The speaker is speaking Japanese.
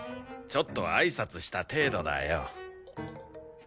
ちょっとあいさつした程度だよ。